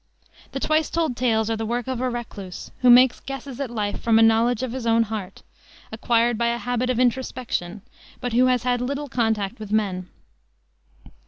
The Twice Told Tales are the work of a recluse, who makes guesses at life from a knowledge of his own heart, acquired by a habit of introspection, but who has had little contact with men.